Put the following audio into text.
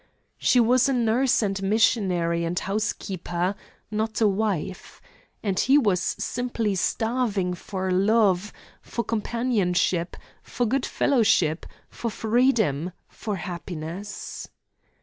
She was a nurse and missionary and housekeeper not a wife. And he was simply starving for love, for companionship, for good fellowship, for freedom, for happiness.